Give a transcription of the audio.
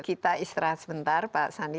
kita istirahat sebentar pak sandi